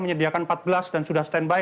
menyediakan empat belas dan sudah standby